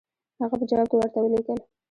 هغه په جواب کې ورته ولیکل.